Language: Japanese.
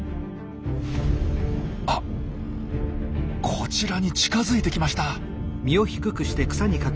こちらに近づいてきました。